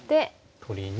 取りに。